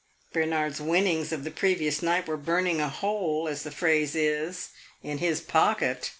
Bernard's winnings of the previous night were burning a hole, as the phrase is, in his pocket.